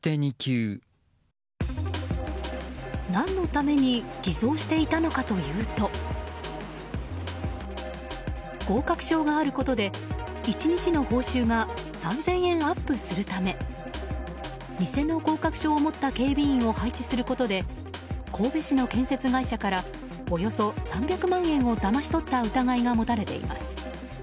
何のために偽造していたのかというと合格証があることで１日の報酬が３０００円アップするため偽の合格証を持った警備員を配置することで神戸市の建設会社からおよそ３００万円をだまし取った疑いが持たれています。